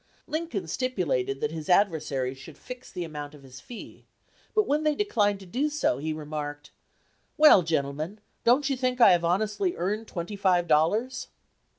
Lincoln stipulated that his ad versaries should fix the amount of his fee; but when they declined to do so, he remarked: "Well gentlemen, dont you think I have honestly earned twenty five dollars?"